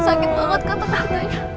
sakit banget kata katanya